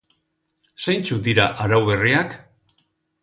Zeintzuk dira arau berriak?